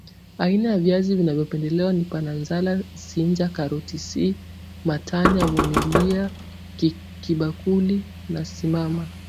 aina ya viazi vinavyopenelewa ni Pananzala sinja karoti C matanya vumilia kibakuli na simama